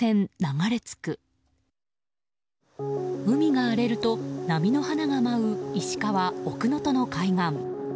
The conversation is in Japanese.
海が荒れると波の花が舞う石川・奥能登の海岸。